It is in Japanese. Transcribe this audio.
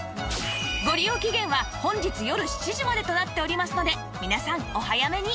ご利用期限は本日よる７時までとなっておりますので皆さんお早めに